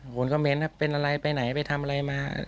คนคอมเมนต์เป็นอะไรไปไหนไปทำอะไรมา